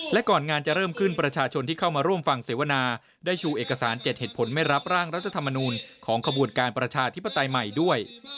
และก่อนงานจะเริ่มขึ้นประชาชนที่เข้ามาร่วมฟังเสวนาได้ชูเอกสาร๗เหตุผลไม่รับร่างรัฐธรรมนูลของขบวนการประชาธิปไตยใหม่ด้วย